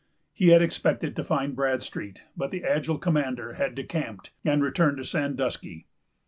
He had expected to find Bradstreet; but that agile commander had decamped, and returned to Sandusky.